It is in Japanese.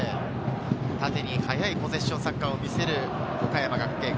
縦に速いポゼッションサッカーを見せる岡山学芸館。